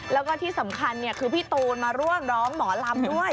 แล้วก็ที่สำคัญคือพี่ตูนมาร่วมร้องหมอลำด้วย